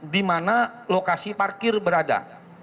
dimana lokasi parkir berada